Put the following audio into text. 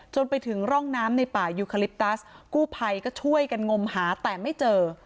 จนไปถึงร่องน้ำในป่ายูคาลิปตัสกู้ภัยก็ช่วยกันงมหาแต่ไม่เจอ